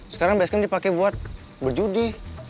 sekarang basecamp dipake buat berjudi